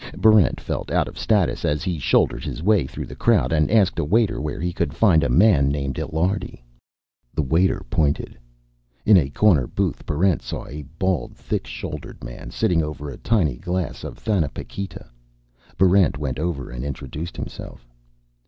Barrent felt out of status as he shouldered his way through the crowd and asked a waiter where he could find a man named Illiardi. The waiter pointed. In a corner booth, Barrent saw a bald, thick shouldered man sitting over a tiny glass of thanapiquita. Barrent went over and introduced himself.